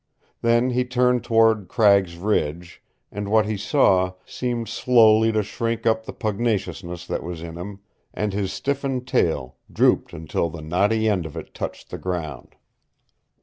Then he turned toward Cragg's Ridge, and what he saw seemed slowly to shrink up the pugnaciousness that was in him, and his stiffened tail drooped until the knotty end of it touched the ground.